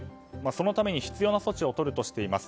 そのために必要な措置をとるとしています。